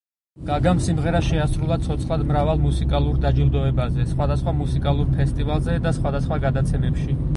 გაგამ სიმღერა შეასრულა ცოცხლად მრავალ მუსიკალურ დაჯილდოებაზე, სხვადასხვა მუსიკალურ ფესტივალზე და სხვადასხვა გადაცემებში.